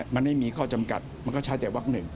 มันไม่มีข้อจำกัดมันก็ใช้แต่วัก๑